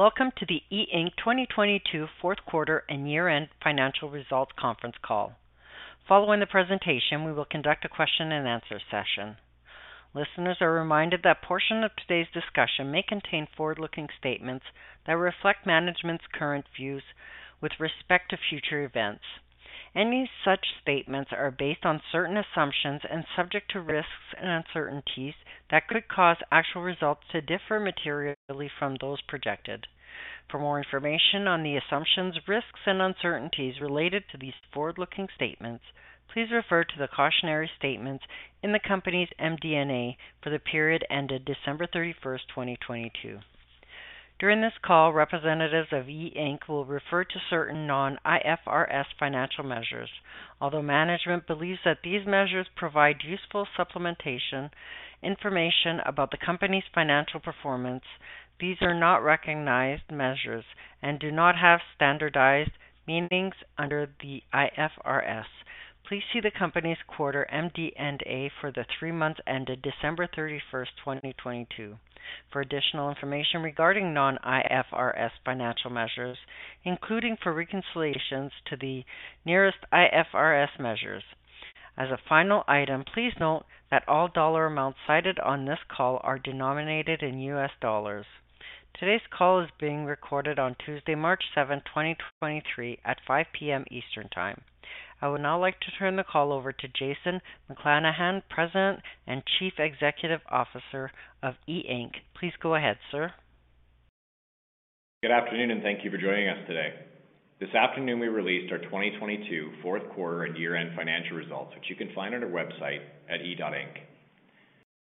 Welcome to the E INC 2022 fourth quarter and year-end financial results conference call. Following the presentation, we will conduct a question-and-answer session. Listeners are reminded that portion of today's discussion may contain forward-looking statements that reflect management's current views with respect to future events. Any such statements are based on certain assumptions and subject to risks and uncertainties that could cause actual results to differ materially from those projected. For more information on the assumptions, risks, and uncertainties related to these forward-looking statements, please refer to the cautionary statements in the company's MD&A for the period ended December 31st, 2022. During this call, representatives of e.inc will refer to certain non-IFRS financial measures. Although management believes that these measures provide useful supplementation information about the company's financial performance, these are not recognized measures and do not have standardized meanings under the IFRS. Please see the company's quarter MD&A for the three months ended December 31st, 2022. For additional information regarding non-IFRS financial measures, including for reconciliations to the nearest IFRS measures. As a final item, please note that all dollar amounts cited on this call are denominated in U.S. dollars. Today's call is being recorded on Tuesday, March 7th, 2023 at 5:00 P.M. Eastern Time. I would now like to turn the call over to Jason McClenahan, President and Chief Executive Officer of E INC. Please go ahead, sir. Good afternoon, and thank you for joining us today. This afternoon we released our 2022 fourth quarter and year-end financial results, which you can find on our website at e.inc.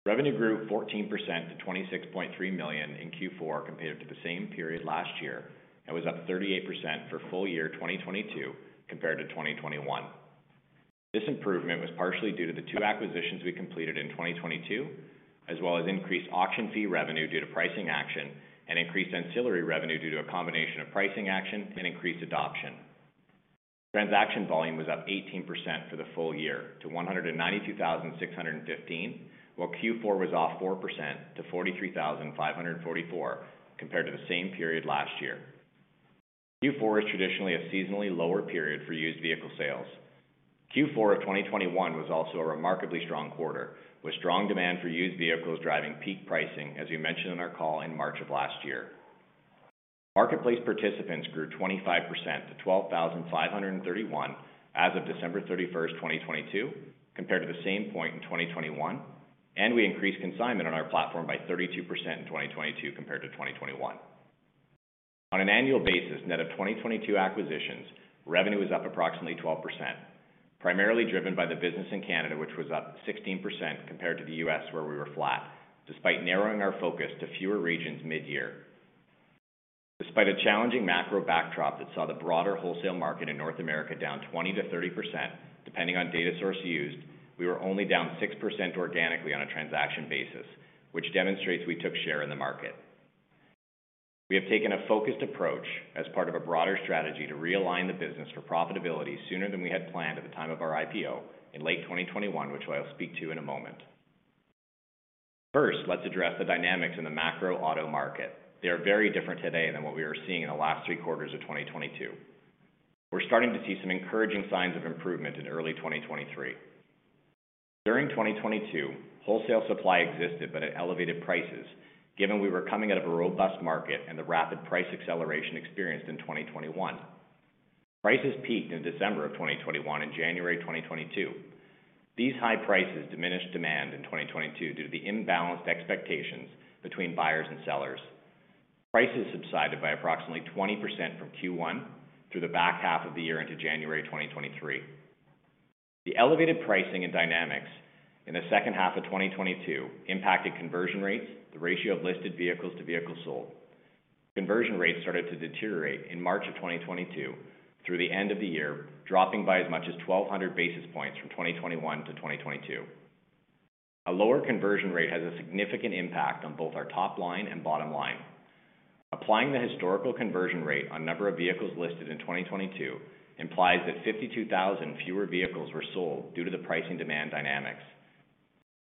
Revenue grew 14% to $26.3 million in Q4 compared to the same period last year and was up 38% for full year 2022 compared to 2021. This improvement was partially due to the two acquisitions we completed in 2022, as well as increased auction fee revenue due to pricing action and increased ancillary revenue due to a combination of pricing action and increased adoption. Transaction volume was up 18% for the full year to 192,615, while Q4 was off 4% to 43,544 compared to the same period last year. Q4 is traditionally a seasonally lower period for used vehicle sales. Q4 of 2021 was also a remarkably strong quarter, with strong demand for used vehicles driving peak pricing, as we mentioned on our call in March of last year. Marketplace participants grew 25% to 12,531 as of December 31st, 2022, compared to the same point in 2021, and we increased consignment on our platform by 32% in 2022 compared to 2021. On an annual basis, net of 2022 acquisitions, revenue was up approximately 12%, primarily driven by the business in Canada, which was up 16% compared to the U.S. where we were flat, despite narrowing our focus to fewer regions mid-year. Despite a challenging macro backdrop that saw the broader wholesale market in North America down 20%-30%, depending on data source used, we were only down 6% organically on a transaction basis, which demonstrates we took share in the market. We have taken a focused approach as part of a broader strategy to realign the business for profitability sooner than we had planned at the time of our IPO in late 2021, which I will speak to in a moment. First, let's address the dynamics in the macro auto market. They are very different today than what we were seeing in the last three quarters of 2022. We're starting to see some encouraging signs of improvement in early 2023. During 2022, wholesale supply existed but at elevated prices, given we were coming out of a robust market and the rapid price acceleration experienced in 2021. Prices peaked in December of 2021 and January 2022. These high prices diminished demand in 2022 due to the imbalanced expectations between buyers and sellers. Prices subsided by approximately 20% from Q1 through the back half of the year into January 2023. The elevated pricing and dynamics in the second half of 2022 impacted conversion rates, the ratio of listed vehicles to vehicles sold. Conversion rates started to deteriorate in March of 2022 through the end of the year, dropping by as much as 1,200 basis points from 2021 to 2022. A lower conversion rate has a significant impact on both our top line and bottom line. Applying the historical conversion rate on number of vehicles listed in 2022 implies that 52,000 fewer vehicles were sold due to the pricing demand dynamics.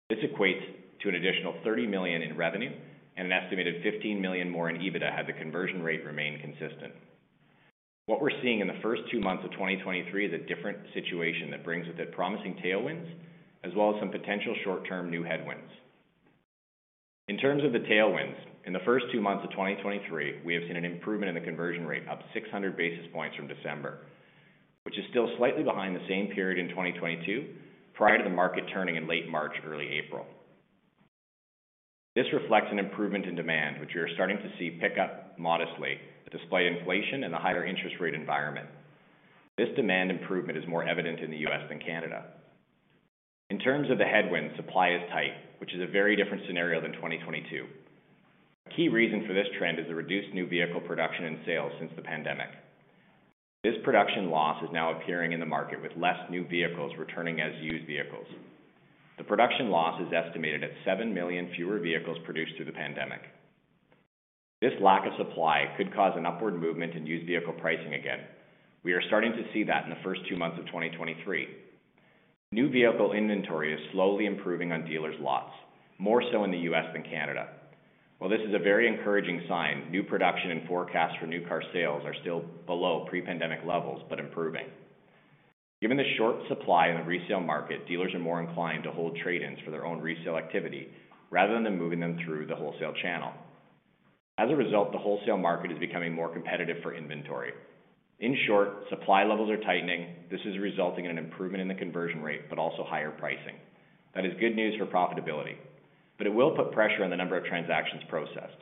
This equates to an additional $30 million in revenue and an estimated $15 million more in EBITDA had the conversion rate remained consistent. What we're seeing in the first two months of 2023 is a different situation that brings with it promising tailwinds as well as some potential short-term new headwinds. In terms of the tailwinds, in the first two months of 2023, we have seen an improvement in the conversion rate up 600 basis points from December, which is still slightly behind the same period in 2022 prior to the market turning in late March, early April. This reflects an improvement in demand, which we are starting to see pick up modestly despite inflation and the higher interest rate environment. This demand improvement is more evident in the U.S. than Canada. In terms of the headwinds, supply is tight, which is a very different scenario than 2022. A key reason for this trend is the reduced new vehicle production and sales since the pandemic. This production loss is now appearing in the market with less new vehicles returning as used vehicles. The production loss is estimated at 7 million fewer vehicles produced through the pandemic. This lack of supply could cause an upward movement in used vehicle pricing again. We are starting to see that in the first two months of 2023. New vehicle inventory is slowly improving on dealers' lots, more so in the U.S. than Canada. While this is a very encouraging sign, new production and forecast for new car sales are still below pre-pandemic levels, but improving. Given the short supply in the resale market, dealers are more inclined to hold trade-ins for their own resale activity rather than moving them through the wholesale channel. As a result, the wholesale market is becoming more competitive for inventory. In short, supply levels are tightening. This is resulting in an improvement in the conversion rate, but also higher pricing. That is good news for profitability, but it will put pressure on the number of transactions processed.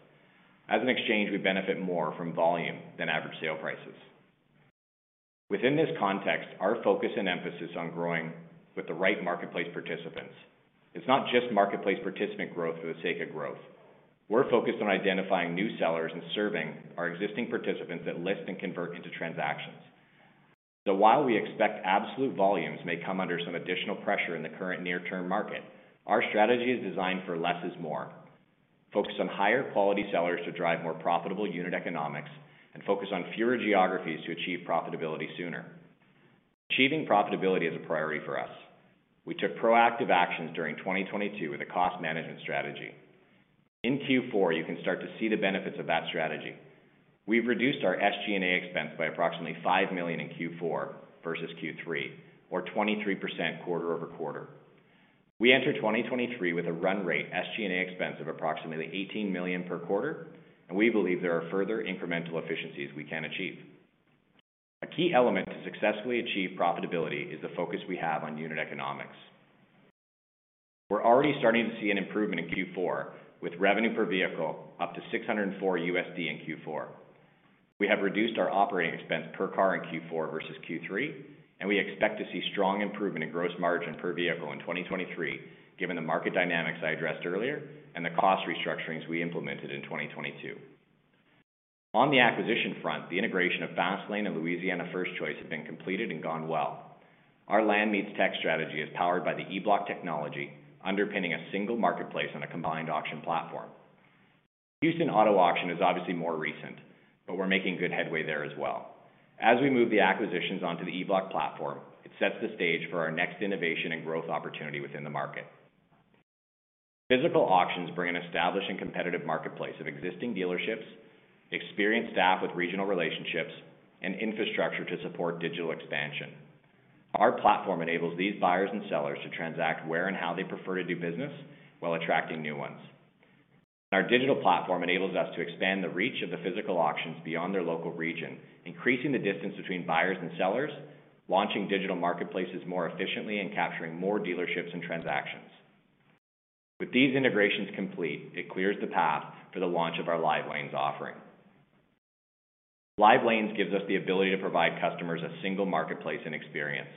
As an exchange, we benefit more from volume than average sale prices. Within this context, our focus and emphasis on growing with the right marketplace participants. It's not just marketplace participant growth for the sake of growth. We're focused on identifying new sellers and serving our existing participants that list and convert into transactions. While we expect absolute volumes may come under some additional pressure in the current near-term market, our strategy is designed for less is more. Focus on higher quality sellers to drive more profitable unit economics and focus on fewer geographies to achieve profitability sooner. Achieving profitability is a priority for us. We took proactive actions during 2022 with a cost management strategy. In Q4, you can start to see the benefits of that strategy. We've reduced our SG&A expense by approximately $5 million in Q4 versus Q3, or 23% quarter-over-quarter. We enter 2023 with a run rate SG&A expense of approximately $18 million per quarter, and we believe there are further incremental efficiencies we can achieve. A key element to successfully achieve profitability is the focus we have on unit economics. We're already starting to see an improvement in Q4 with revenue per vehicle up to $604 in Q4. We have reduced our operating expense per car in Q4 versus Q3. We expect to see strong improvement in gross margin per vehicle in 2023 given the market dynamics I addressed earlier and the cost restructurings we implemented in 2022. On the acquisition front, the integration of FastLane and Louisiana's 1st Choice have been completed and gone well. Our land-meets-tech strategy is powered by the EBlock technology, underpinning a single marketplace on a combined auction platform. Houston Auto Auction is obviously more recent. We're making good headway there as well. As we move the acquisitions onto the EBlock platform, it sets the stage for our next innovation and growth opportunity within the market. Physical auctions bring an established and competitive marketplace of existing dealerships, experienced staff with regional relationships, and infrastructure to support digital expansion. Our platform enables these buyers and sellers to transact where and how they prefer to do business while attracting new ones. Our digital platform enables us to expand the reach of the physical auctions beyond their local region, increasing the distance between buyers and sellers, launching digital marketplaces more efficiently, and capturing more dealerships and transactions. With these integrations complete, it clears the path for the launch of our Live Lanes offering. Live Lanes gives us the ability to provide customers a single marketplace and experience.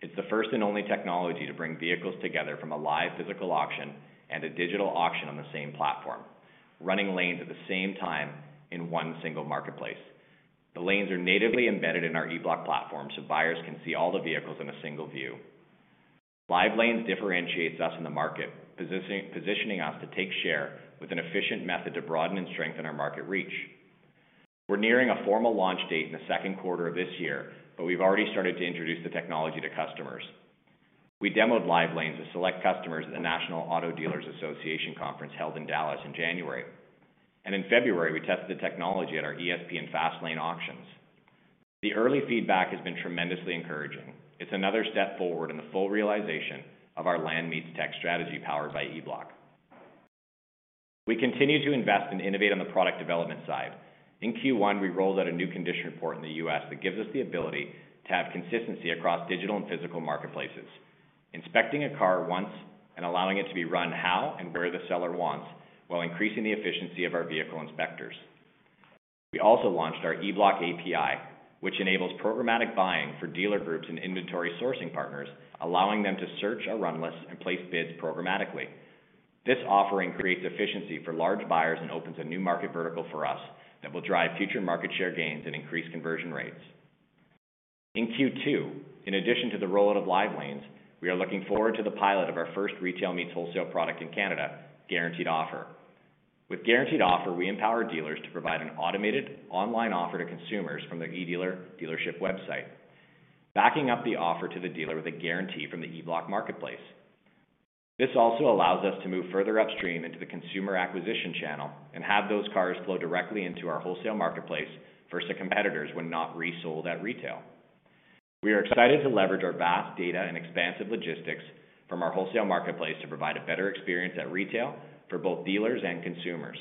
It's the first and only technology to bring vehicles together from a live physical auction and a digital auction on the same platform, running lanes at the same time in one single marketplace. The lanes are natively embedded in our EBlock platform. Buyers can see all the vehicles in a single view. Live Lanes differentiates us in the market, positioning us to take share with an efficient method to broaden and strengthen our market reach. We're nearing a formal launch date in the second quarter of this year. We've already started to introduce the technology to customers. We demoed Live Lanes to select customers at the National Automobile Dealers Association conference held in Dallas in January. In February, we tested the technology at our ESP and FastLane auctions. The early feedback has been tremendously encouraging. It's another step forward in the full realization of our land-meets-tech strategy powered by EBlock. We continue to invest and innovate on the product development side. In Q1, we rolled out a new condition report in the U.S. that gives us the ability to have consistency across digital and physical marketplaces, inspecting a car once and allowing it to be run how and where the seller wants, while increasing the efficiency of our vehicle inspectors. We also launched our EBlock API, which enables programmatic buying for dealer groups and inventory sourcing partners, allowing them to search our run list and place bids programmatically. This offering creates efficiency for large buyers and opens a new market vertical for us that will drive future market share gains and increase conversion rates. In Q2, in addition to the rollout of Live Lanes, we are looking forward to the pilot of our first retail meets wholesale product in Canada, Guaranteed Offer. With Guaranteed Offer, we empower dealers to provide an automated online offer to consumers from their EDealer dealership website, backing up the offer to the dealer with a guarantee from the EBlock marketplace. This also allows us to move further upstream into the consumer acquisition channel and have those cars flow directly into our wholesale marketplace versus to competitors when not resold at retail. We are excited to leverage our vast data and expansive logistics from our wholesale marketplace to provide a better experience at retail for both dealers and consumers.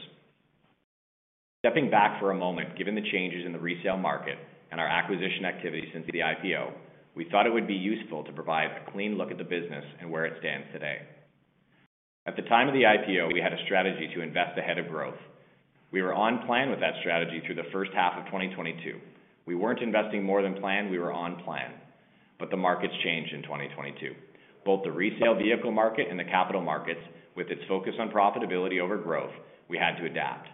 Stepping back for a moment, given the changes in the resale market and our acquisition activity since the IPO, we thought it would be useful to provide a clean look at the business and where it stands today. At the time of the IPO, we had a strategy to invest ahead of growth. We were on plan with that strategy through the first half of 2022. We weren't investing more than planned, we were on plan. The markets changed in 2022. Both the resale vehicle market and the capital markets, with its focus on profitability over growth, we had to adapt.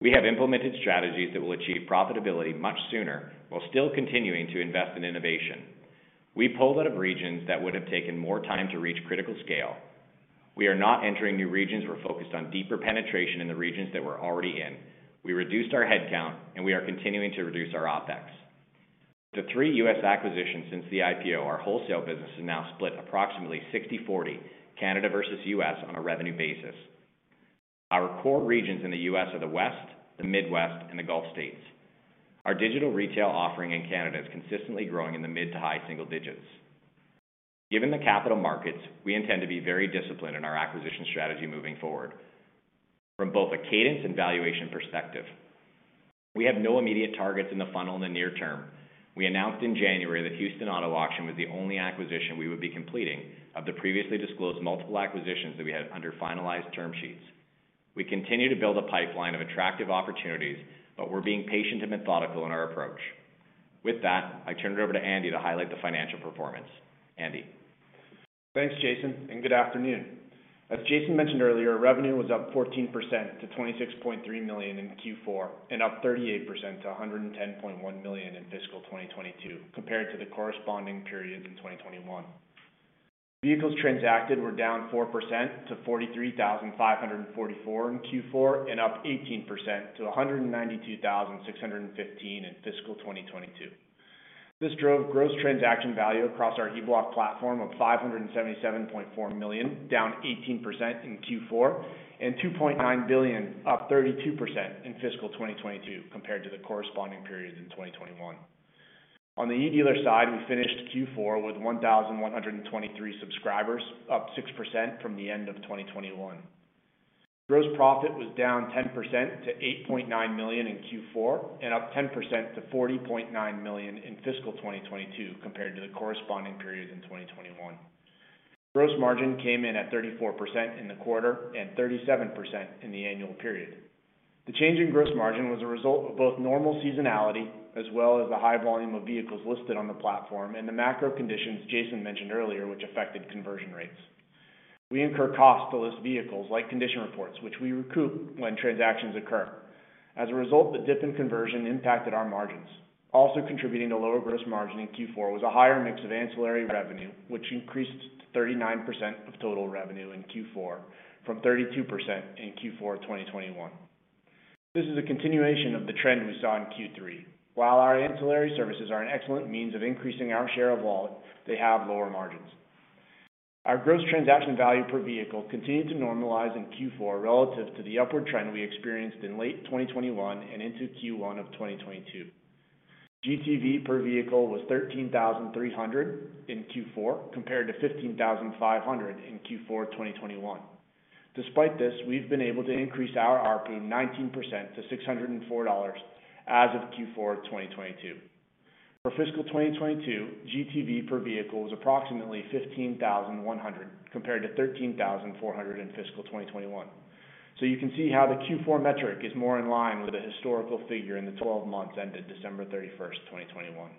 We have implemented strategies that will achieve profitability much sooner while still continuing to invest in innovation. We pulled out of regions that would have taken more time to reach critical scale. We are not entering new regions. We're focused on deeper penetration in the regions that we're already in. We reduced our headcount. We are continuing to reduce our OpEx. The three U.S. acquisitions since the IPO, our wholesale business is now split approximately 60/40, Canada versus U.S. on a revenue basis. Our core regions in the U.S. are the West, the Midwest, and the Gulf States. Our digital retail offering in Canada is consistently growing in the mid to high single digits. Given the capital markets, we intend to be very disciplined in our acquisition strategy moving forward, from both a cadence and valuation perspective. We have no immediate targets in the funnel in the near term. We announced in January that Houston Auto Auction was the only acquisition we would be completing of the previously disclosed multiple acquisitions that we had under finalized term sheets. We continue to build a pipeline of attractive opportunities, but we're being patient and methodical in our approach. With that, I turn it over to Andy to highlight the financial performance. Andy. Thanks, Jason, and good afternoon. As Jason mentioned earlier, revenue was up 14% to $26.3 million in Q4 and up 38% to $110.1 million in fiscal 2022 compared to the corresponding period in 2021. Vehicles transacted were down 4% to 43,544 in Q4 and up 18% to 192,615 in fiscal 2022. This drove gross transaction value across our EBlock platform of $577.4 million, down 18% in Q4, and $2.9 billion, up 32% in fiscal 2022 compared to the corresponding period in 2021. On the EDealer side, we finished Q4 with 1,123 subscribers, up 6% from the end of 2021. Gross profit was down 10% to $8.9 million in Q4 and up 10% to $40.9 million in fiscal 2022 compared to the corresponding period in 2021. Gross margin came in at 34% in the quarter and 37% in the annual period. The change in gross margin was a result of both normal seasonality as well as the high volume of vehicles listed on the platform and the macro conditions Jason mentioned earlier, which affected conversion rates. We incur costs to list vehicles like condition reports, which we recoup when transactions occur. As a result, the dip in conversion impacted our margins. Contributing to lower gross margin in Q4 was a higher mix of ancillary revenue, which increased to 39% of total revenue in Q4 from 32% in Q4 of 2021. This is a continuation of the trend we saw in Q3. While our ancillary services are an excellent means of increasing our share of wallet, they have lower margins. Our gross transaction value per vehicle continued to normalize in Q4 relative to the upward trend we experienced in late 2021 and into Q1 of 2022. GTV per vehicle was $13,300 in Q4 compared to $15,500 in Q4 of 2021. Despite this, we've been able to increase our ARPU 19% to $604 as of Q4 of 2022. For fiscal 2022, GTV per vehicle was approximately $15,100 compared to $13,400 in fiscal 2021. You can see how the Q4 metric is more in line with the historical figure in the 12 months ended December 31, 2021.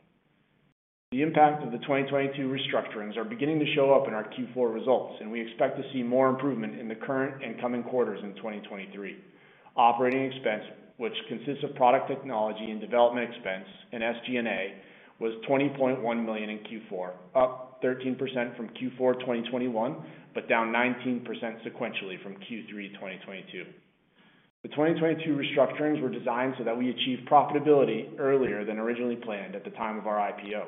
The impact of the 2022 restructurings are beginning to show up in our Q4 results, and we expect to see more improvement in the current and coming quarters in 2023. Operating expense, which consists of product technology and development expense in SG&A, was $20.1 million in Q4, up 13% from Q4 of 2021, but down 19% sequentially from Q3 of 2022. The 2022 restructurings were designed so that we achieve profitability earlier than originally planned at the time of our IPO,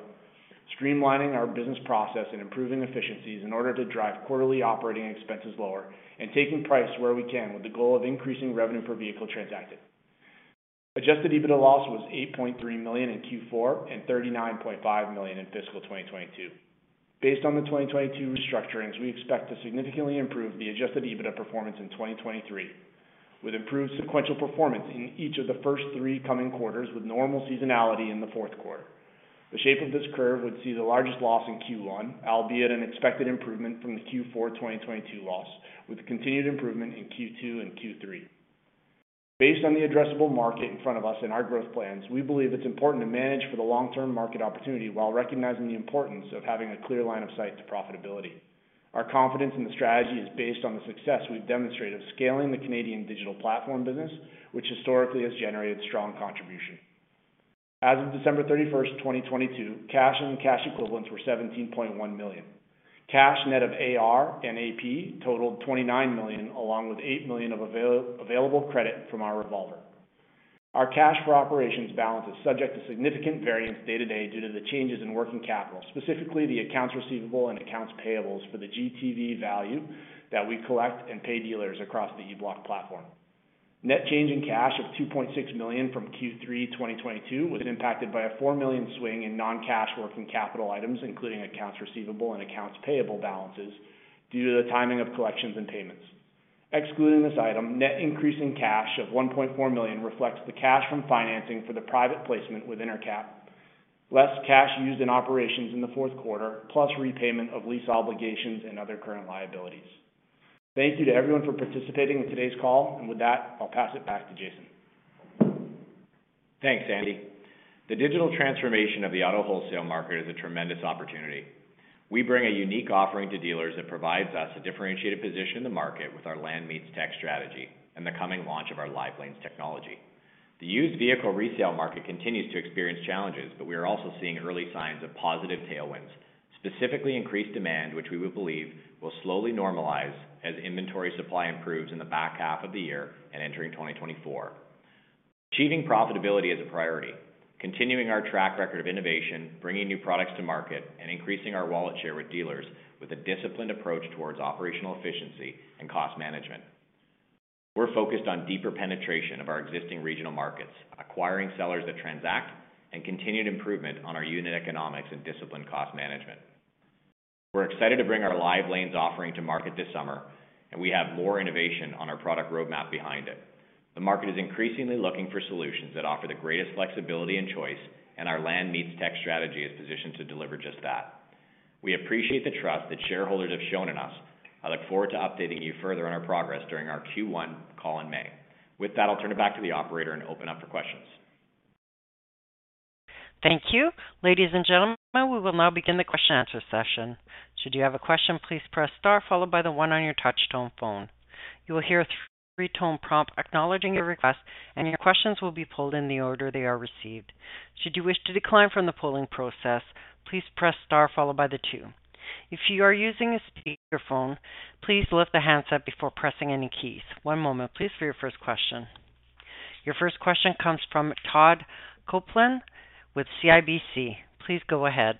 streamlining our business process and improving efficiencies in order to drive quarterly operating expenses lower and taking price where we can with the goal of increasing revenue per vehicle transacted. Adjusted EBITDA loss was $8.3 million in Q4 and $39.5 million in fiscal 2022. Based on the 2022 restructurings, we expect to significantly improve the adjusted EBITDA performance in 2023, with improved sequential performance in each of the first three coming quarters with normal seasonality in the fourth quarter. The shape of this curve would see the largest loss in Q1, albeit an expected improvement from the Q4 of 2022 loss, with a continued improvement in Q2 and Q3. Based on the addressable market in front of us and our growth plans, we believe it's important to manage for the long-term market opportunity while recognizing the importance of having a clear line of sight to profitability. Our confidence in the strategy is based on the success we've demonstrated scaling the Canadian digital platform business, which historically has generated strong contribution. As of December 31, 2022, cash and cash equivalents were $17.1 million. Cash net of AR and AP totaled $29 million, along with $8 million of available credit from our revolver. Our cash for operations balance is subject to significant variance day to day due to the changes in working capital, specifically the accounts receivable and accounts payables for the GTV value that we collect and pay dealers across the EBlock platform. Net change in cash of $2.6 million from Q3 2022 was impacted by a $4 million swing in non-cash working capital items, including accounts receivable and accounts payable balances, due to the timing of collections and payments. Excluding this item, net increase in cash of $1.4 million reflects the cash from financing for the private placement with Intercap, less cash used in operations in the fourth quarter, plus repayment of lease obligations and other current liabilities. Thank you to everyone for participating in today's call, and with that, I'll pass it back to Jason. Thanks, Andy. The digital transformation of the auto wholesale market is a tremendous opportunity. We bring a unique offering to dealers that provides us a differentiated position in the market with our land-meets-tech strategy and the coming launch of our Live Lanes technology. The used vehicle resale market continues to experience challenges, but we are also seeing early signs of positive tailwinds, specifically increased demand, which we would believe will slowly normalize as inventory supply improves in the back half of the year and entering 2024. Achieving profitability is a priority, continuing our track record of innovation, bringing new products to market, and increasing our wallet share with dealers with a disciplined approach towards operational efficiency and cost management. We're focused on deeper penetration of our existing regional markets, acquiring sellers that transact, and continued improvement on our unit economics and disciplined cost management. We're excited to bring our Live Lanes offering to market this summer. We have more innovation on our product roadmap behind it. The market is increasingly looking for solutions that offer the greatest flexibility and choice. Our land-meets-tech strategy is positioned to deliver just that. We appreciate the trust that shareholders have shown in us. I look forward to updating you further on our progress during our Q1 call in May. With that, I'll turn it back to the operator and open up for questions. Thank you. Ladies and gentlemen, we will now begin the question answer session. Should you have a question, please press star followed by the one on your touchtone phone. You will hear a three-tone prompt acknowledging your request, and your questions will be pulled in the order they are received. Should you wish to decline from the polling process, please press star followed by the two. If you are using a speakerphone, please lift the handset before pressing any keys. One moment please, for your first question. Your first question comes from Todd Coupland with CIBC. Please go ahead.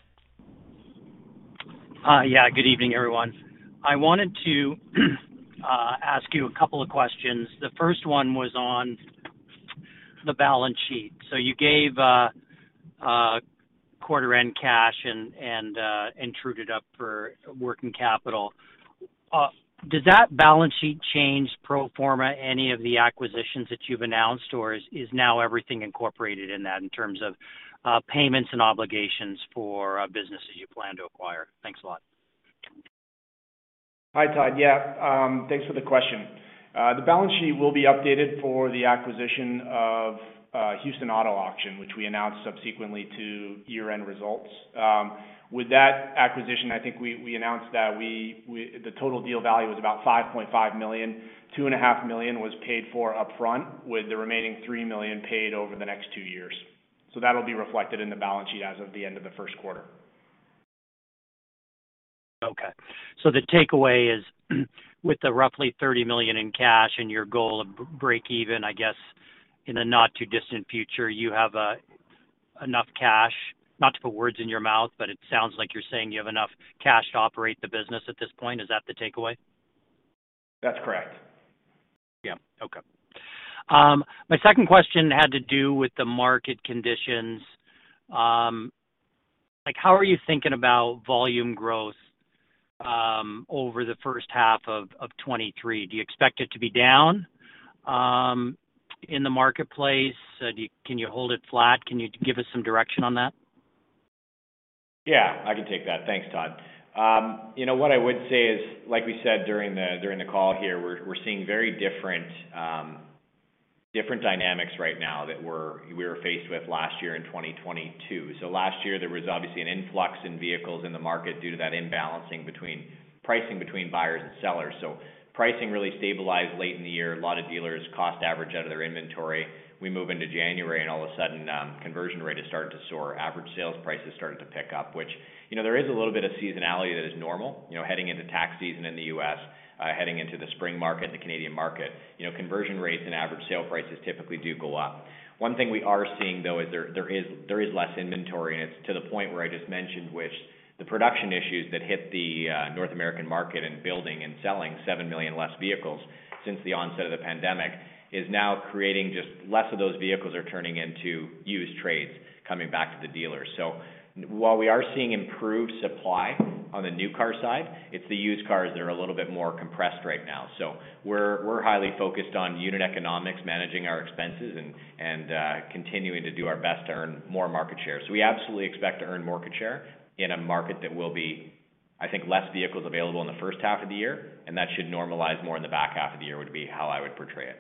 Yeah, good evening, everyone. I wanted to ask you a couple of questions. The first one was on the balance sheet. You gave quarter end cash and trued it up for working capital. Does that balance sheet change pro forma any of the acquisitions that you've announced, or is now everything incorporated in that in terms of payments and obligations for businesses you plan to acquire? Thanks a lot. Hi, Todd. Yeah. Thanks for the question. The balance sheet will be updated for the acquisition of Houston Auto Auction, which we announced subsequently to year-end results. With that acquisition, I think we announced that the total deal value was about $5.5 million. $2.5 Million was paid for upfront, with the remaining $3 million paid over the next two years. That'll be reflected in the balance sheet as of the end of the first quarter. The takeaway is, with the roughly $30 million in cash and your goal of break even, I guess, in the not-too-distant future, you have enough cash. Not to put words in your mouth, but it sounds like you're saying you have enough cash to operate the business at this point. Is that the takeaway? That's correct. Yeah. Okay. My second question had to do with the market conditions. Like, how are you thinking about volume growth, over the first half of 2023? Do you expect it to be down, in the marketplace? Can you hold it flat? Can you give us some direction on that? Yeah, I can take that. Thanks, Todd. You know, what I would say is, like we said during the, during the call here, we're seeing very different dynamics right now that we were faced with last year in 2022. Last year, there was obviously an influx in vehicles in the market due to that imbalancing between pricing between buyers and sellers. Pricing really stabilized late in the year. A lot of dealers cost average out of their inventory. We move into January and all of a sudden, conversion rates started to soar. Average sales prices started to pick up, which, you know, there is a little bit of seasonality that is normal, you know, heading into tax season in the U.S., heading into the spring market, the Canadian market. You know, conversion rates and average sale prices typically do go up. One thing we are seeing, though, there is less inventory, and it's to the point where I just mentioned which the production issues that hit the North American market and building and selling 7 million less vehicles since the onset of the pandemic is now creating just less of those vehicles are turning into used trades coming back to the dealer. While we are seeing improved supply on the new car side, it's the used cars that are a little bit more compressed right now. We're highly focused on unit economics, managing our expenses, and continuing to do our best to earn more market share. We absolutely expect to earn market share in a market that will be, I think, less vehicles available in the first half of the year, and that should normalize more in the back half of the year, would be how I would portray it.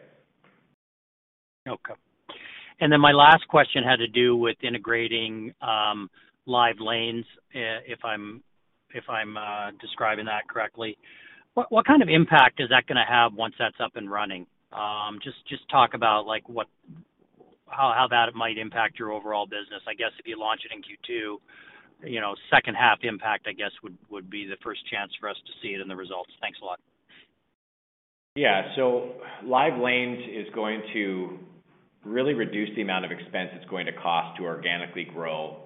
Okay. My last question had to do with integrating Live Lanes, if I'm describing that correctly. What kind of impact is that gonna have once that's up and running? Just talk about, like, how that might impact your overall business. I guess if you launch it in Q2, you know, second half impact, I guess, would be the first chance for us to see it in the results. Thanks a lot. Live Lanes is going to really reduce the amount of expense it's going to cost to organically grow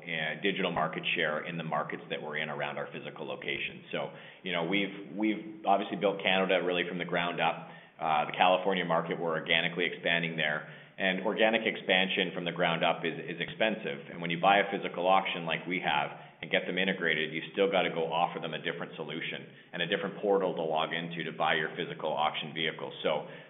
digital market share in the markets that we're in around our physical location. You know, we've obviously built Canada really from the ground up. The California market, we're organically expanding there. Organic expansion from the ground up is expensive. When you buy a physical auction like we have and get them integrated, you still got to go offer them a different solution and a different portal to log into to buy your physical auction vehicle.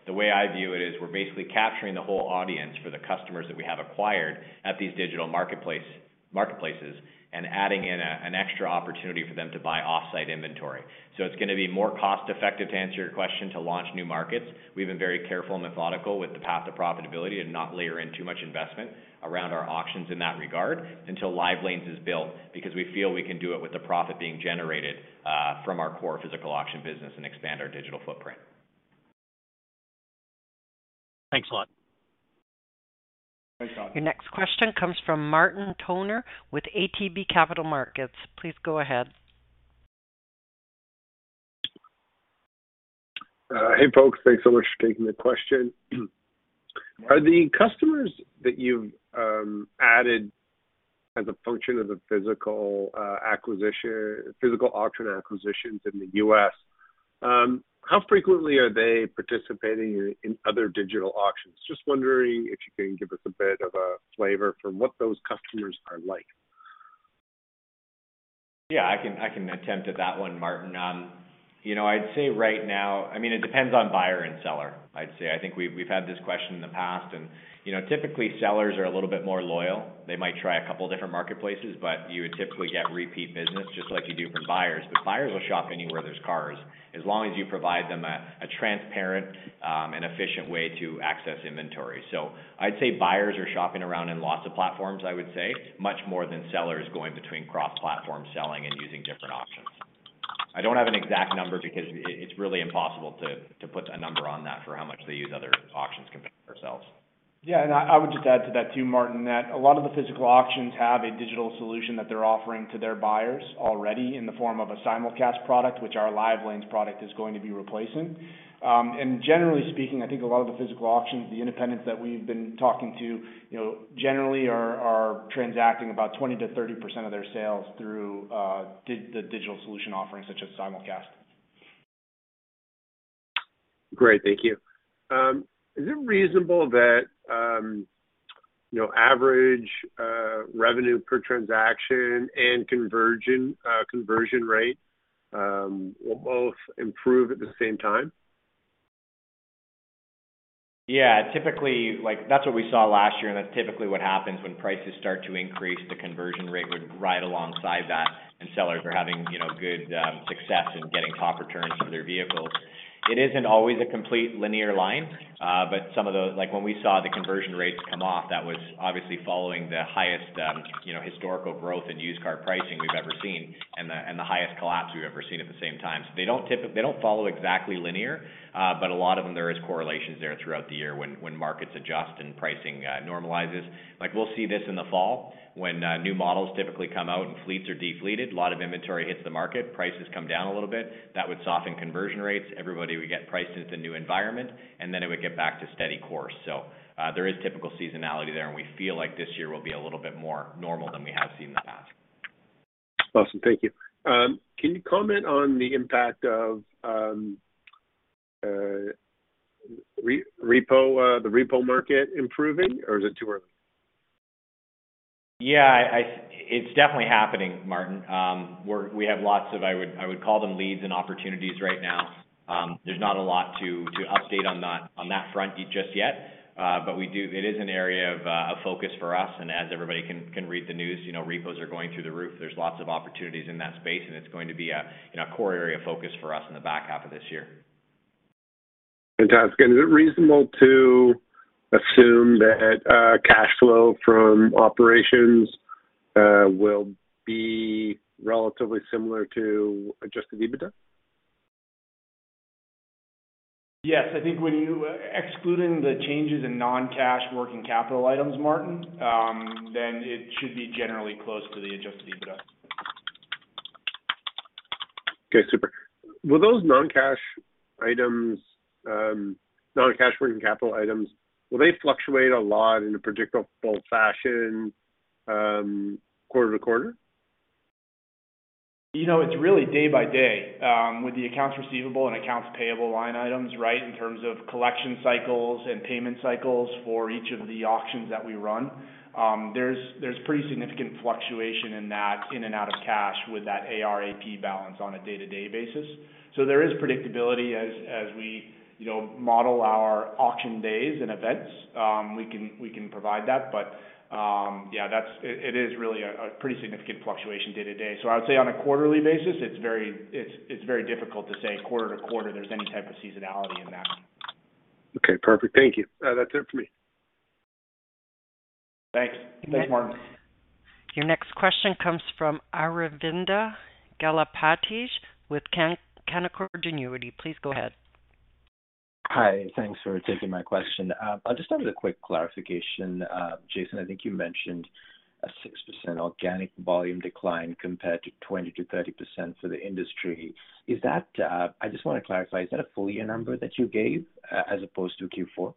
The way I view it is we're basically capturing the whole audience for the customers that we have acquired at these digital marketplaces and adding in an extra opportunity for them to buy off-site inventory. It's gonna be more cost-effective, to answer your question, to launch new markets. We've been very careful and methodical with the path to profitability and not layer in too much investment around our auctions in that regard until Live Lanes is built because we feel we can do it with the profit being generated from our core physical auction business and expand our digital footprint. Thanks a lot. Your next question comes from Martin Toner with ATB Capital Markets. Please go ahead. Hey, folks. Thanks so much for taking the question. Are the customers that you've added as a function of the physical auction acquisitions in the U.S., how frequently are they participating in other digital auctions? Just wondering if you can give us a bit of a flavor for what those customers are like? Yeah, I can attempt at that one, Martin. You know, I'd say right now. I mean, it depends on buyer and seller, I'd say. I think we've had this question in the past and, you know, typically sellers are a little bit more loyal. They might try a couple different marketplaces, but you would typically get repeat business just like you do from buyers. Buyers will shop anywhere there's cars as long as you provide them a transparent and efficient way to access inventory. I'd say buyers are shopping around in lots of platforms, I would say much more than sellers going between cross-platform selling and using different auctions. I don't have an exact number because it's really impossible to put a number on that for how much they use other auctions compared to ourselves. Yeah. I would just add to that too, Martin, that a lot of the physical auctions have a digital solution that they're offering to their buyers already in the form of a simulcast product, which our Live Lanes product is going to be replacing. Generally speaking, I think a lot of the physical auctions, the independents that we've been talking to, you know, generally are transacting about 20%-30% of their sales through the digital solution offerings such as simulcast. Great. Thank you. Is it reasonable that, you know, average revenue per transaction and conversion rate will both improve at the same time? Yeah. Typically, like, that's what we saw last year. That's typically what happens when prices start to increase, the conversion rate would ride alongside that. Sellers are having, you know, good, success in getting top returns for their vehicles. It isn't always a complete linear line. Like, when we saw the conversion rates come off, that was obviously following the highest, you know, historical growth in used car pricing we've ever seen and the highest collapse we've ever seen at the same time. They don't follow exactly linear, but a lot of them, there is correlations there throughout the year when markets adjust and pricing, normalizes. Like, we'll see this in the fall when new models typically come out and fleets are defleeted, a lot of inventory hits the market, prices come down a little bit. That would soften conversion rates. Everybody would get priced into new environment, and then it would get back to steady course. There is typical seasonality there, and we feel like this year will be a little bit more normal than we have seen in the past. Awesome. Thank you. Can you comment on the impact of repo, the repo market improving, or is it too early? Yeah. It's definitely happening, Martin. We have lots of, I would call them leads and opportunities right now. There's not a lot to update on that front just yet. We do. It is an area of focus for us. As everybody can read the news, you know, repos are going through the roof. There's lots of opportunities in that space. It's going to be, you know, a core area of focus for us in the back half of this year. Fantastic. Is it reasonable to assume that, cash flow from operations, will be relatively similar to adjusted EBITDA? Yes. Excluding the changes in non-cash working capital items, Martin, then it should be aenerally close to the Adjusted EBITDA. Okay, super. Will those non-cash items, non-cash working capital items, will they fluctuate a lot in a predictable fashion, quarter-to-quarter? You know, it's really day by day. With the accounts receivable and accounts payable line items, right? In terms of collection cycles and payment cycles for each of the auctions that we run, there's pretty significant fluctuation in that in and out of cash with that AR AP balance on a day-to-day basis. There is predictability as we, you know, model our auction days and events. We can provide that. Yeah, that's. It is really a pretty significant fluctuation day to day. I would say on a quarterly basis, it's very, it's very difficult to say quarter to quarter there's any type of seasonality in that. Okay, perfect. Thank you. That's it for me. Thanks. Thanks, Martin. Your next question comes from Aravinda Galappatthige with Canaccord Genuity. Please go ahead. Hi. Thanks for taking my question. I just wanted a quick clarification. Jason, I think you mentioned a 6% organic volume decline compared to 20%-30% for the industry. Is that, I just want to clarify, a full year number that you gave as opposed to Q4?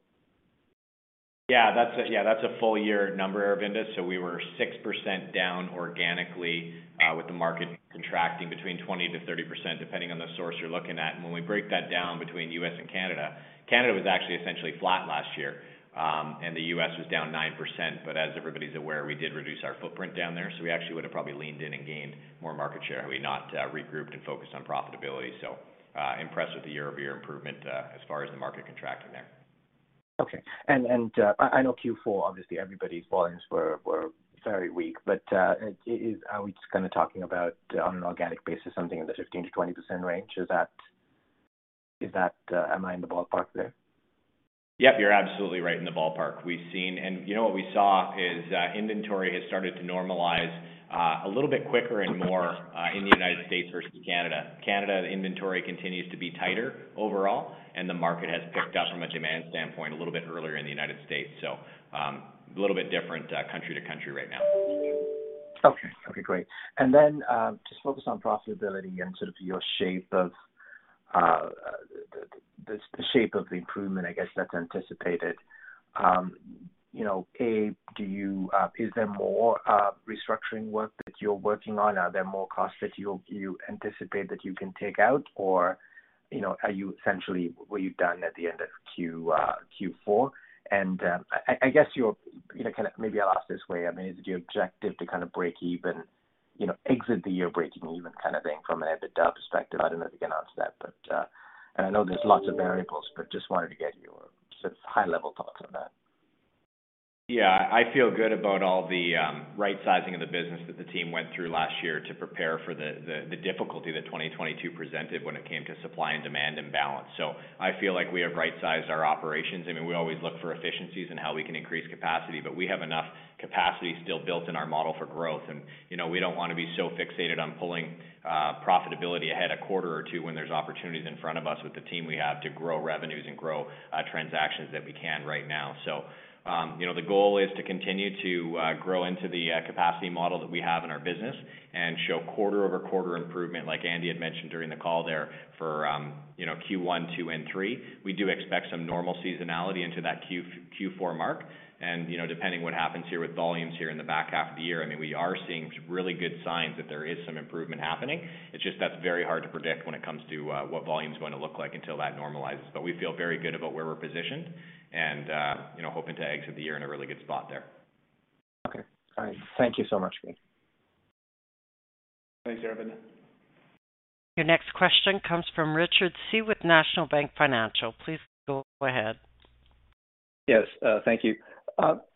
Yeah, that's a full year number, Aravinda. We were 6% down organically, with the market contracting between 20%-30%, depending on the source you're looking at. When we break that down between U.S. and Canada was actually essentially flat last year, and the U.S. was down 9% but as everybody's aware, we did reduce our footprint down there. We actually would have probably leaned in and gained more market share had we not regrouped and focused on profitability. Impressed with the year-over-year improvement, as far as the market contracting there. Okay. I know Q4, obviously, everybody's volumes were very weak but, are we just kinda talking about on an organic basis, something in the 15%-20% range? Is that, is that, am I in the ballpark there? Yep, you're absolutely right in the ballpark. You know what we saw is inventory has started to normalize a little bit quicker and more in the United States versus Canada. Canada inventory continues to be tighter overall, and the market has picked up from a demand standpoint a little bit earlier in the United States. A little bit different country to country right now. Okay. Okay, great. To focus on profitability and sort of your shape of the improvement, I guess that's anticipated. You know, A, do you, is there more restructuring work that you're working on? Are there more costs that you anticipate that you can take out? You know, are you essentially what you've done at the end of Q4? I guess you're, you know, kind of maybe I'll ask this way. I mean, is it your objective to kind of break even, you know, exit the year breaking even kind of thing from an EBITDA perspective? I don't know if you can answer that, but. I know there's lots of variables, but just wanted to get your sort of high level thoughts on that. Yeah. I feel good about all the right sizing of the business that the team went through last year to prepare for the difficulty that 2022 presented when it came to supply and demand and balance. I feel like we have right sized our operations. I mean, we always look for efficiencies and how we can increase capacity, but we have enough capacity still built in our model for growth. You know, we don't want to be so fixated on pulling profitability ahead a quarter or two when there's opportunities in front of us with the team we have to grow revenues and grow transactions that we can right now. You know, the goal is to continue to grow into the capacity model that we have in our business and show quarter-over-quarter improvement, like Andy had mentioned during the call there for, you know, Q1, Q2, and Q3. We do expect some normal seasonality into that Q4 mark. You know, depending what happens here with volumes here in the back half of the year, I mean, we are seeing really good signs that there is some improvement happening. It's just that's very hard to predict when it comes to what volume is going to look like until that normalizes. We feel very good about where we're positioned and, you know, hoping to exit the year in a really good spot there. Okay. All right. Thank you so much, Jason. Thanks, Aravind. Your next question comes from Richard Tse with National Bank Financial. Please go ahead. Yes. Thank you.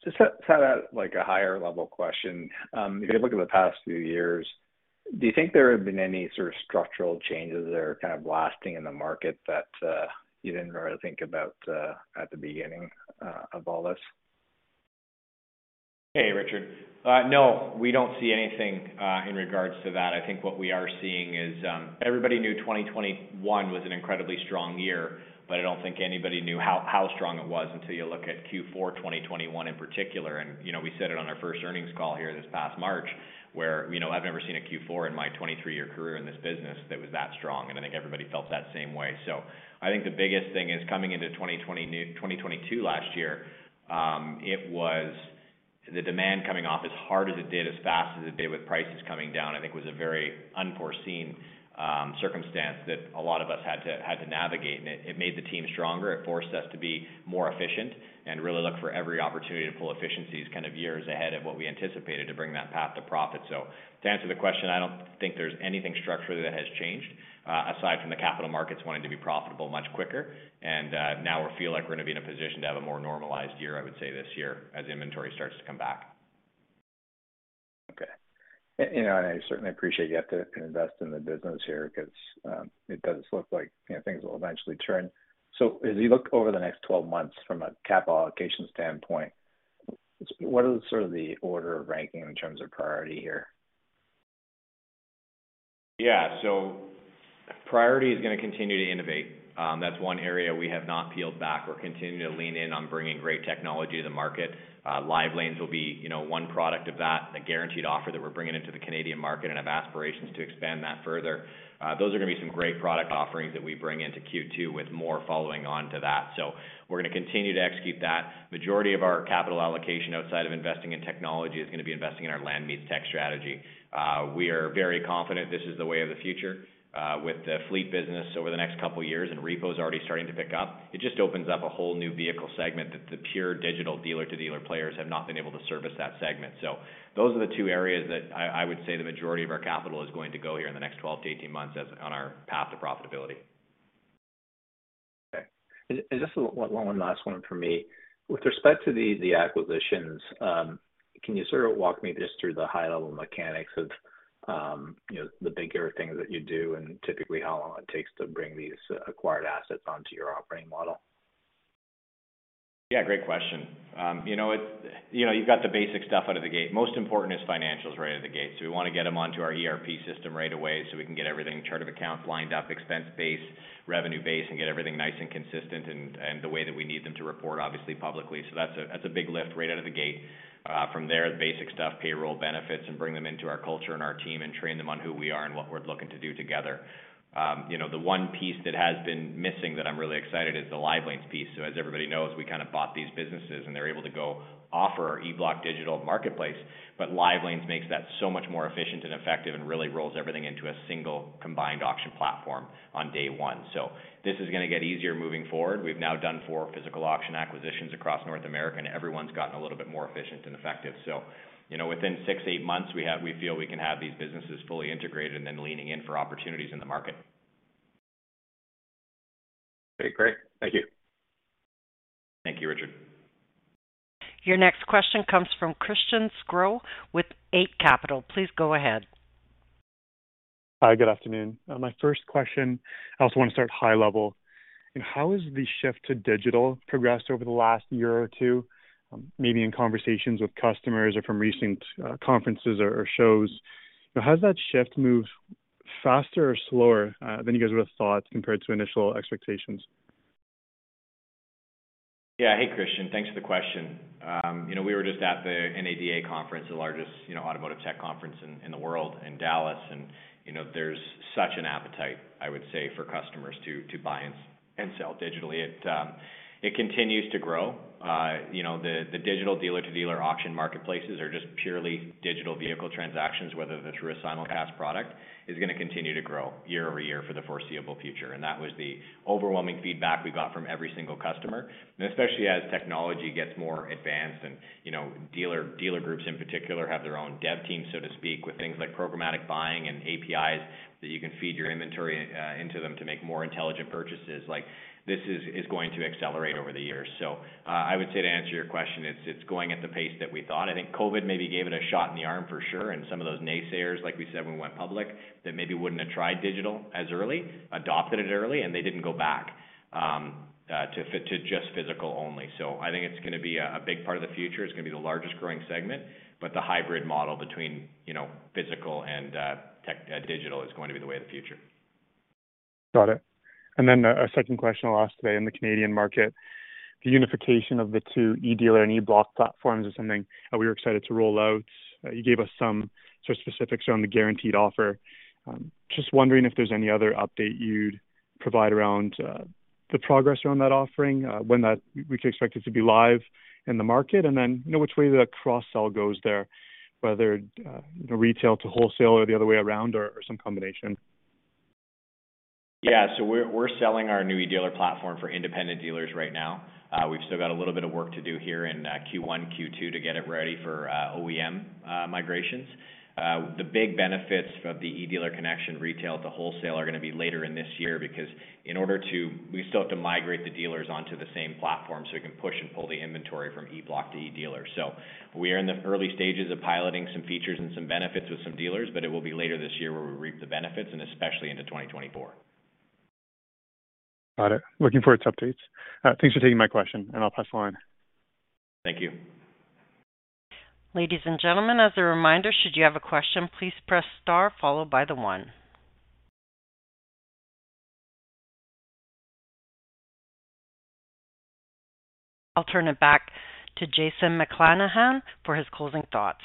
Just set out like a higher level question. If you look at the past few years, do you think there have been any sort of structural changes that are kind of lasting in the market that you didn't really think about at the beginning of all this? Hey, Richard. No, we don't see anything in regards to that. I think what we are seeing is everybody knew 2021 was an incredibly strong year, but I don't think anybody knew how strong it was until you look at Q4 2021 in particular. You know, we said it on our first earnings call here this past March, where, you know, I've never seen a Q4 in my 23-year career in this business that was that strong, and I think everybody felt that same way. I think the biggest thing is coming into 2022 last year, it was the demand coming off as hard as it did, as fast as it did with prices coming down, I think was a very unforeseen circumstance that a lot of us had to navigate. It made the team stronger. It forced us to be more efficient and really look for every opportunity to pull efficiencies kind of years ahead of what we anticipated to bring that path to profit. To answer the question, I don't think there's anything structurally that has changed, aside from the capital markets wanting to be profitable much quicker. Now we feel like we're gonna be in a position to have a more normalized year, I would say this year, as inventory starts to come back. Okay. You know, I certainly appreciate you have to invest in the business here because it does look like, you know, things will eventually turn. As you look over the next 12 months from a capital allocation standpoint, what is sort of the order of ranking in terms of priority here? Priority is gonna continue to innovate. That's one area we have not peeled back. We're continuing to lean in on bringing great technology to the market. Live Lanes will be, you know, one product of that, a Guaranteed Offer that we're bringing into the Canadian market and have aspirations to expand that further. Those are gonna be some great product offerings that we bring into Q2 with more following on to that. We're gonna continue to execute that. Majority of our capital allocation outside of investing in technology is gonna be investing in our land-meets-tech strategy. We are very confident this is the way of the future, with the fleet business over the next couple of years, and repo is already starting to pick up. It just opens up a whole new vehicle segment that the pure digital dealer-to-dealer players have not been able to service that segment. Those are the two areas that I would say the majority of our capital is going to go here in the next 12 to 18 months as on our path to profitability. Okay. Just one last one for me. With respect to the acquisitions, can you sort of walk me just through the high level mechanics of, you know, the bigger things that you do and typically how long it takes to bring these acquired assets onto your operating model? Yeah, great question. You know, you've got the basic stuff out of the gate. Most important is financials right out of the gate. We want to get them onto our ERP system right away so we can get everything, chart of accounts lined up, expense base, revenue base, and get everything nice and consistent and the way that we need them to report obviously publicly. That's a, that's a big lift right out of the gate. From there, the basic stuff, payroll benefits, and bring them into our culture and our team and train them on who we are and what we're looking to do together. You know, the one piece that has been missing that I'm really excited is the Live Lanes piece. As everybody knows, we kind of bought these businesses and they're able to go offer EBlock digital marketplace, Live Lanes makes that so much more efficient and effective and really rolls everything into a single combined auction platform on day one. This is gonna get easier moving forward. We've now done four physical auction acquisitions across North America, and everyone's gotten a little bit more efficient and effective. You know, within six, eight months, we feel we can have these businesses fully integrated and then leaning in for opportunities in the market. Okay, great. Thank you. Thank you, Richard. Your next question comes from Christian Sgro with Eight Capital. Please go ahead. Hi, good afternoon. My first question, I also want to start high level. How has the shift to digital progressed over the last year or two? Maybe in conversations with customers or from recent conferences or shows. Has that shift moved faster or slower than you guys would have thought compared to initial expectations? Yeah. Hey, Christian. Thanks for the question. You know, we were just at the NADA conference, the largest, you know, automotive tech conference in the world in Dallas. You know, there's such an appetite, I would say, for customers to buy and sell digitally. It continues to grow. You know, the digital dealer-to-dealer auction marketplaces are just purely digital vehicle transactions, whether that's through a single pass product, is gonna continue to grow year-over-year for the foreseeable future. That was the overwhelming feedback we got from every single customer. Especially as technology gets more advanced and, you know, dealer groups in particular have their own dev team, so to speak, with things like programmatic buying and APIs that you can feed your inventory into them to make more intelligent purchases. Like, this is going to accelerate over the years. I would say to answer your question, it's going at the pace that we thought. I think COVID maybe gave it a shot in the arm for sure, and some of those naysayers, like we said when we went public, that maybe wouldn't have tried digital as early, adopted it early, and they didn't go back to just physical only. I think it's gonna be a big part of the future. It's gonna be the largest growing segment, the hybrid model between, you know, physical and tech, digital is going to be the way of the future. Got it. A second question I'll ask today. In the Canadian market, the unification of the two EDealer and EBlock platforms is something we were excited to roll out. You gave us some sort of specifics around the Guaranteed Offer. Just wondering if there's any other update you'd provide around the progress around that offering, when we could expect it to be live in the market. You know, which way the cross-sell goes there, whether, you know, retail to wholesale or the other way around or some combination. Yeah. We're selling our new EDealer platform for independent dealers right now. We've still got a little bit of work to do here in Q1, Q2 to get it ready for OEM migrations. The big benefits of the EDealer connection retail to wholesale are gonna be later in this year because we still have to migrate the dealers onto the same platform, so we can push and pull the inventory from EBlock to EDealer. We are in the early stages of piloting some features and some benefits with some dealers, but it will be later this year where we reap the benefits and especially into 2024. Got it. Looking forward to updates. Thanks for taking my question. I'll pass the line. Thank you. Ladies and gentlemen, as a reminder, should you have a question, please press star followed by the one. I'll turn it back to Jason McClenahan for his closing thoughts.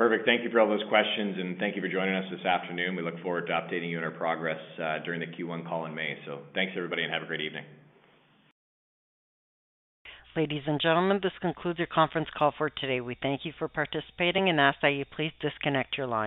Perfect. Thank you for all those questions, and thank you for joining us this afternoon. We look forward to updating you on our progress, during the Q1 call in May. Thanks, everybody, and have a great evening. Ladies and gentlemen, this concludes your conference call for today. We thank you for participating and ask that you please disconnect your lines.